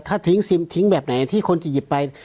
ถ้าทิ้งซิมทิ้งแบบไหนที่คนจะหยิบไป